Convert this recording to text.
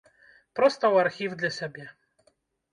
Проста ў архіў для сябе.